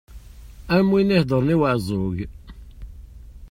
Am win i iheddren i uɛeẓẓug.